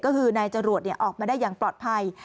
ก็คือนายจรวดออกมาได้อย่างปลอดภัย